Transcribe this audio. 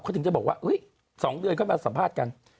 เขาถึงจะบอกว่า๒เดือนเข้ามาสัมภาษณ์กัน